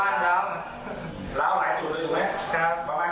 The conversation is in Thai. ประมาณกี่จุดได้